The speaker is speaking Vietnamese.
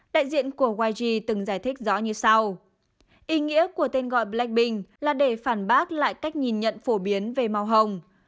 đại diện của wiji từng giải thích rõ như sau ý nghĩa của tên gọi blackpink là để phản bác lại cách nhìn nhận phổ biến về màu hồng